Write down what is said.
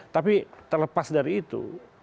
tapi terlepas dari itu